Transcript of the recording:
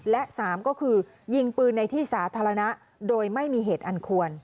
และ๓ก็คือยิงปืนในที่สาธารณะโดยไม่มีเหตุอันควร